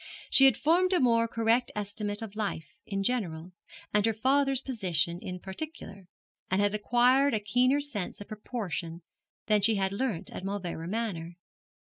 She had formed a more correct estimate of life in general, and her father's position in particular, and had acquired a keener sense of proportion than she had learnt at Mauleverer Manor.